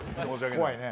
怖いね。